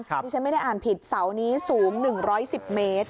ที่ฉันไม่ได้อ่านผิดเสานี้สูง๑๑๐เมตร